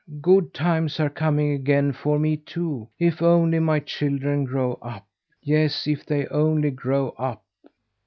Good times are coming again for me too, if only my children grow up. Yes, if they only grow up."